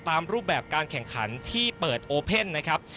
รูปแบบการแข่งขันที่เปิดโอเพ่นนะครับ